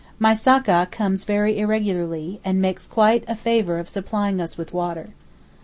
My sakka comes very irregularly, and makes quite a favour of supplying us with water.